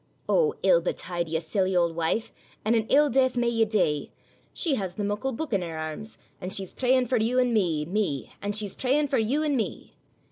'O! ill betide ye, silly auld wife, And an ill death may ye dee; She has the muckle buik in her arms, And she's prayin' for you and me, me; And she's prayin' for you and me.